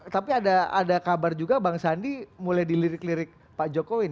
tapi ada kabar juga bang sandi mulai dilirik lirik pak jokowi